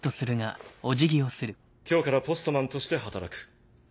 今日からポストマンとして働く。